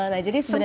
nah jadi sebenarnya